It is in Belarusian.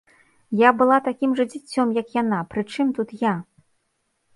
Я была такім жа дзіцём, як яна, прычым тут я?!